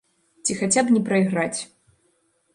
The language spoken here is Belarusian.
Ці хаця б не прайграць.